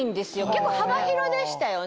結構幅広でしたよね？